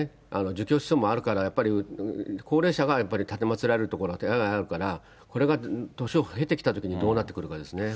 儒教思想もあるから、やっぱり、高齢者がたてまつられるところがややあるから、これが年を経てきたときに、どうなってくるかですね。